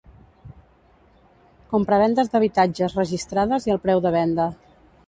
Compravendes d'habitatges registrades i el preu de venda.